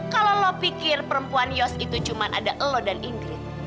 kalau lo pikir perempuan yos itu cuma ada lo dan inggris